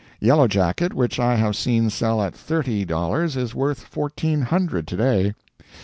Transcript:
Yellow Jacket which I have seen sell at thirty dollars, is worth fourteen hundred, to day.